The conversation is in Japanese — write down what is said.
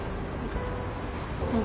どうぞ。